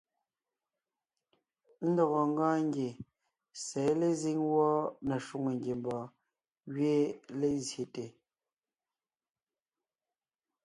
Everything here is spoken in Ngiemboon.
Ndɔgɔ ńgɔɔn ngie sɛ̌ lezíŋ wɔ́ɔ na shwòŋo ngiembɔɔn gẅiin lezsyete.